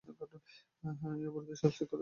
হ্যাঁ, এই অপরাধের শাস্তির কথা তিনি জানেন।